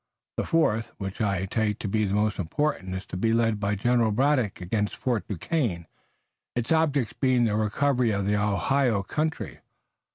The fourth, which I take to be the most important, is to be led by General Braddock against Fort Duquesne, its object being the recovery of the Ohio country.